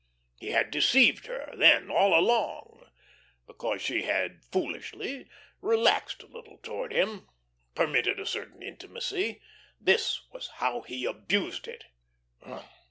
He had deceived her, then, all along. Because she had foolishly relaxed a little towards him, permitted a certain intimacy, this was how he abused it.